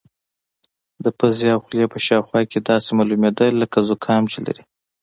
د پوزې او خولې په شاوخوا کې داسې معلومېده لکه زکام چې لري.